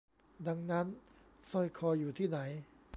ดังนั้นสร้อยคออยู่ที่ไหน